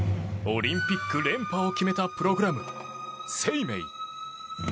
オリンピック連覇を決めたプログラム。